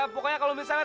pokoknya kalau misalnya